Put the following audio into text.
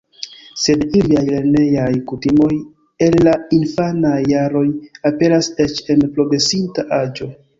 Sed iliaj lernejaj kutimoj el la infanaj jaroj aperas eĉ en progresinta aĝo.